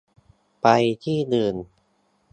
ไปที่อื่น